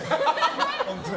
本当に。